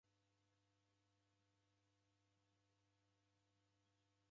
Maisha ghape ghaw'iaendelia nicha.